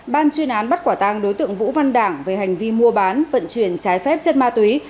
ban chuyên án bắt quả tang đối tượng vũ văn đảng về hành vi mua bán vận chuyển trái phép chất ma túy